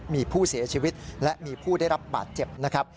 มีผู้เสียชีวิตและมีผู้ได้รับบาดเจ็บนะครับ